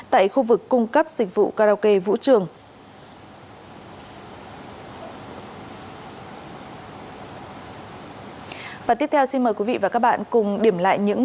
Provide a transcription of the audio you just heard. tại khu vực cung cấp dịch vụ karaoke vũ trường